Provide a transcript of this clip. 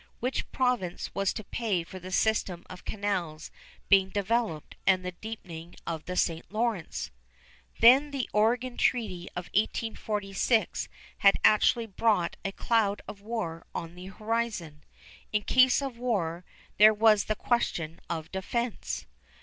Which province was to pay for the system of canals being developed, and the deepening of the St. Lawrence? Then the Oregon Treaty of 1846 had actually brought a cloud of war on the horizon. In case of war, there was the question of defense.